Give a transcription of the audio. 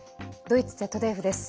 ドイツＺＤＦです。